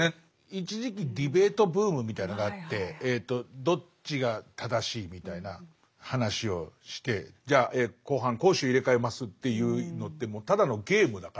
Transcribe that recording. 一時期ディベートブームみたいのがあってどっちが正しいみたいな話をしてじゃあ後半攻守入れ替えますっていうのってもうただのゲームだから。